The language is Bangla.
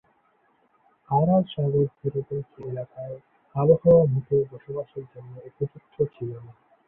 আরাল সাগর তীরবর্তী এলাকার আবহাওয়া মোটেও বসবাসের জন্য উপযুক্ত ছিল না।